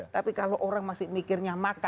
tapi kalau orang masih mikirnya makan